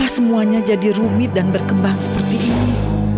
karena semuanya jadi rumit dan berkembang seperti ini